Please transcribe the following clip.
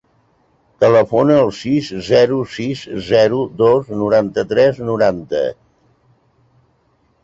Telefona al sis, zero, sis, zero, dos, noranta-tres, noranta.